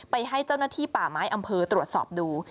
ให้เจ้าหน้าที่ป่าไม้อำเภอตรวจสอบดู